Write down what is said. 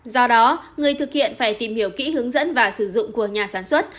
do đó người thực hiện phải tìm hiểu kỹ hướng dẫn và sử dụng của nhà sản xuất